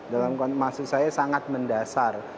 dalam maksud saya sangat mendasar